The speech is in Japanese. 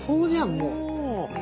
もう。